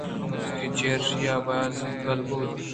کہ چرایشی ءَ آباز گل بُوت